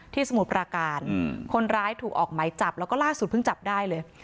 สมุทรปราการคนร้ายถูกออกไหมจับแล้วก็ล่าสุดเพิ่งจับได้เลย